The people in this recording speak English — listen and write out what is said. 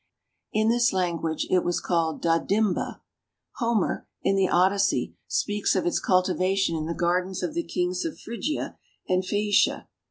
In this language it was called "Dadimba." Homer, in the Odyssey, speaks of its cultivation in the gardens of the kings of Phrygia and Phaecia.